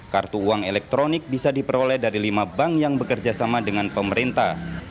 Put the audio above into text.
kartu uang elektronik bisa diperoleh dari lima bank yang bekerja sama dengan pemerintah